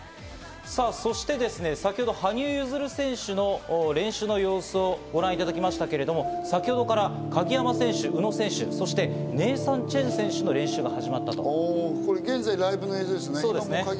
さぁ、そしてですね、先ほど羽生結弦選手の練習の様子をご覧いただきましたけれども、先ほどから鍵山選手と宇野選手、ネイサン・チェン選手の練習が始ライブの映像ですね。